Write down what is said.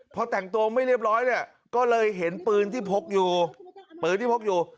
พอแต่งตัวไม่เรียบร้อยก็เลยเห็นปืนที่พกอยู่